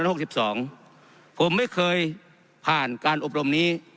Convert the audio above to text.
หกสิบสองผมไม่เคยผ่านการอบรมนี้